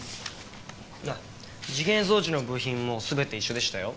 あっ時限装置の部品も全て一緒でしたよ。